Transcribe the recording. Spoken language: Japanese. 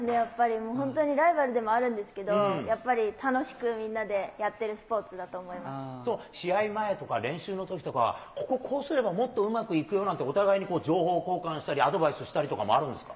もう本当にライバルでもあるんですけど、やっぱり楽しくみんなで試合前とか練習のときとかは、こここうすればもっとうまくいくよなんて、お互いに情報交換したり、アドバイスしたりとかもあるんですか？